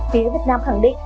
phía việt nam khẳng định